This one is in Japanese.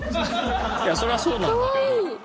いやそれはそうなんだけど。